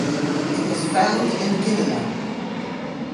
It is found in Guinea.